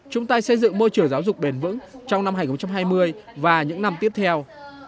chung tay xây dựng môi trường giáo dục bền vững trong năm hai nghìn hai mươi và những năm tiếp theo